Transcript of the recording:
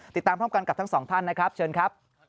ติดตามพร้อมกันกับทั้งสองท่านนะครับเชิญครับ